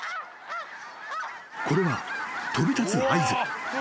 ［これは飛び立つ合図］